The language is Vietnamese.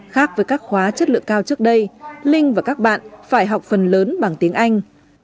khác với các khóa chất lượng cao trước đây linh và các bạn phải học phần lớn bằng tiếng anh